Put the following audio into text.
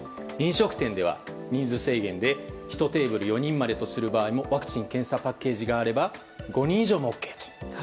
飲食店では人数制限で１テーブル４人までとする場合もワクチン・検査パッケージがあれば５人以上がＯＫと。